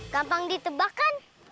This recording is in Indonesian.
gampang ditebak kan